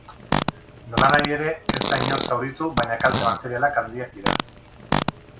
Nolanahi ere, ez da inor zauritu baina kalte materialak handiak dira.